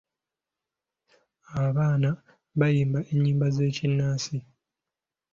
Abaana bayimba ennyimba z'ekinnansi.